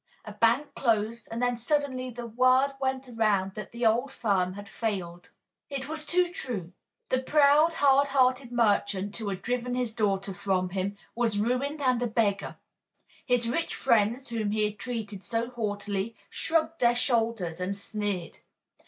A bank closed and then suddenly the word went around that the old firm had failed. It was too true. The proud, hard hearted merchant, who had driven his daughter from him, was ruined and a beggar. His rich friends, whom he had treated so haughtily, shrugged their shoulders and sneered.